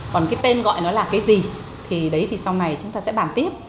còn cái tên gọi nó là cái gì thì đấy thì sau này chúng ta sẽ bàn tiếp